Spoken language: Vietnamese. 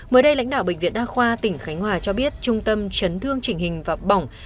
mới đây lãnh đạo bệnh viện đa khoa tỉnh khánh hòa cho biết trung tâm chấn thương chỉnh hình và bỏng